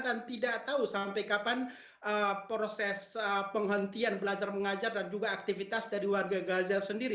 dan tidak tahu sampai kapan proses penghentian belajar mengajar dan juga aktivitas dari warga gaza sendiri